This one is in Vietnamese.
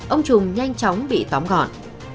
ông trùng nhanh chóng bị tóm gọn